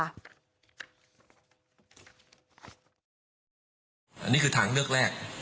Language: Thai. อันนี้คือทางเลือกแรก